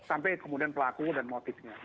sampai kemudian pelaku dan motifnya